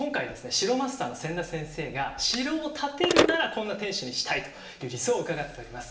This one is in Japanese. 城マスターの千田先生が城を建てるならこんな天守にしたいという理想を伺っております。